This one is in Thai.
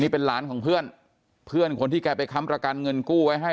เป็นหลานของเพื่อนเพื่อนคนที่แกไปค้ำประกันเงินกู้ไว้ให้